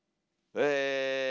え。